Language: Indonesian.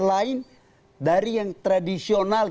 lain dari yang tradisional